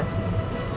iya itu dia